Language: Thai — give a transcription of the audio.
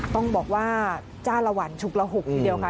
ต้องบอกว่าจ้าละวันฉุกระหกทีเดียวค่ะ